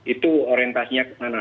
itu orientasinya ke sana